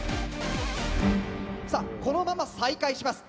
このまま再開します。